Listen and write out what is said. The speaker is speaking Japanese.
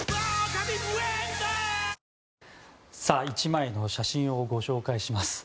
１枚の写真をご紹介します。